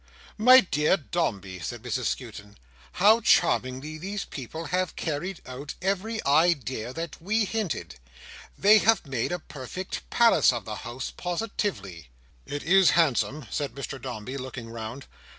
"My dear Dombey," said Mrs Skewton, "how charmingly these people have carried out every idea that we hinted. They have made a perfect palace of the house, positively." "It is handsome," said Mr Dombey, looking round.